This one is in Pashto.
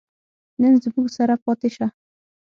نن زموږ سره پاتې شه